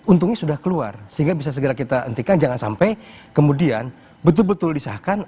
untungnya sudah keluar sehingga bisa segera kita hentikan jangan sampai kemudian betul betul disahkan